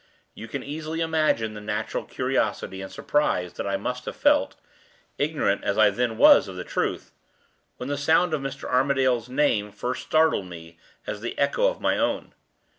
You can easily imagine the natural curiosity and surprise that I must have felt (ignorant as I then was of the truth) when the sound of Mr. Armadale's name first startled me as the echo of my own.